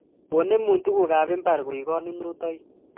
Onemu tuguk ab mbar koek kanunotoik